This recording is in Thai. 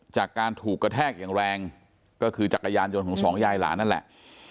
จากการถูกกระแทกอย่างแรงก็คือจักรยานยนต์ของสองยายหลานนั่นแหละ